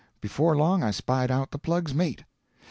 Before long I spied out the plug's mate.